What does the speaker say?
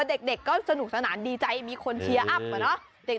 เด็กก็สนุกสนานดีใจมีคนเชียร์อัพอเนอะ